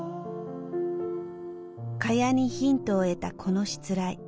「蚊帳」にヒントを得たこのしつらい。